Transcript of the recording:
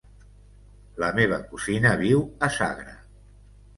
La meva cosina viu a Sagra.